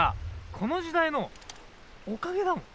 この時代のおかげだもん。